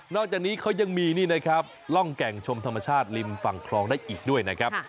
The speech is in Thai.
อกจากนี้เขายังมีนี่นะครับร่องแก่งชมธรรมชาติริมฝั่งคลองได้อีกด้วยนะครับ